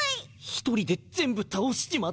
一人で全部倒しちまった。